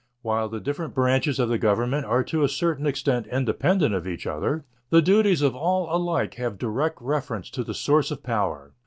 While the different branches of the Government are to a certain extent independent of each other, the duties of all alike have direct reference to the source of power.